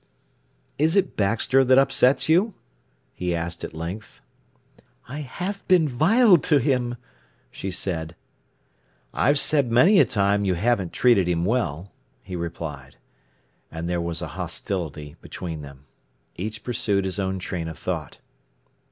"Is it Baxter that upsets you?" he asked at length. "I have been vile to him!" she said. "I've said many a time you haven't treated him well," he replied. And there was a hostility between them. Each pursued his own train of thought.